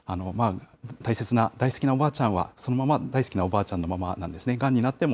大切な大好きなおばあちゃんは、そのまま大好きなおばあちゃんのままなんですね。